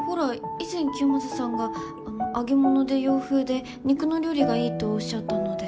以前清正さんが揚げ物で洋風で肉の料理がいいとおっしゃったので。